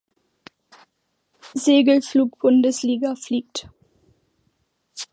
Segelflug-Bundesliga fliegt.